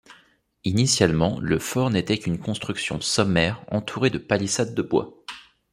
Initialement, le fort n'était qu'une construction sommaire entourée de palissade de bois.